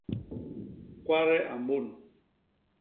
Kwade a mbôn.